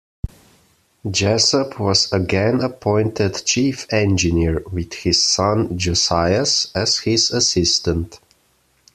Jessop was again appointed Chief Engineer, with his son Josias as his assistant.